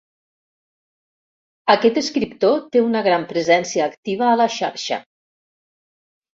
Aquest escriptor té una gran presència activa a la xarxa.